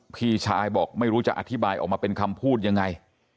พี่ชายบอกไม่รู้จะอธิบายออกมาเป็นคำพูดยังไง